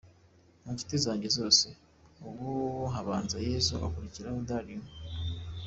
Mu nshuti zanjye zose, ubu habanza Yesu, hagakurikiraho Darling.